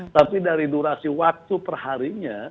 tapi dari durasi waktu perharinya